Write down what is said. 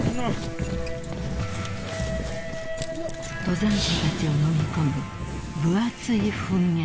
［登山者たちをのみ込む分厚い噴煙］